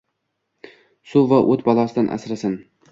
Suv va oʻt balosidan asrasin